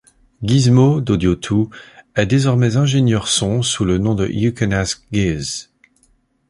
Gizmo d'Audio Two est désormais ingénieur-son sous le nom de You Can Ask Giz.